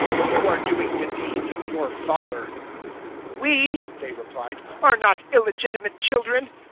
008:041 You are doing the deeds of your father." "We," they replied, "are not illegitimate children.